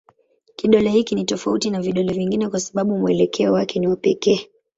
Kidole hiki ni tofauti na vidole vingine kwa sababu mwelekeo wake ni wa pekee.